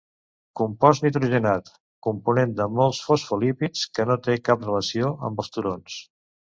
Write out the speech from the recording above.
Compost nitrogenat component de molts fosfolípids que no té cap relació amb els turons.